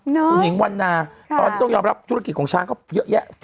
คุณหญิงวันนาตอนนี้ต้องยอมรับธุรกิจของช้างก็เยอะแยะ